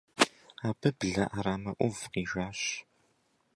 Абы блэ Ӏэрамэ Ӏув къижащ.